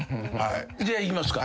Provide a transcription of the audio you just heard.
じゃあいきますか。